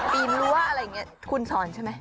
ปีนรั้วคุณสอนใช่ไหม